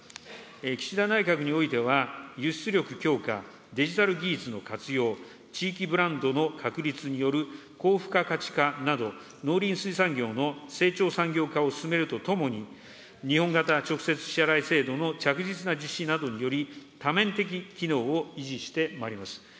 岸田内閣においては、輸出力強化、デジタル技術の活用、地域ブランドの確立による高付加価値化など、農林水産業の成長産業化を進めるとともに、日本型直接支払制度の着実な実施などにより、多面的機能を維持してまいります。